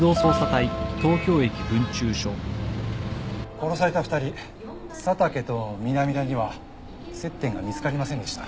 殺された２人佐竹と南田には接点が見つかりませんでした。